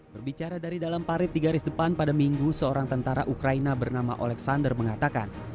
berbicara dari dalam parit di garis depan pada minggu seorang tentara ukraina bernama alexander mengatakan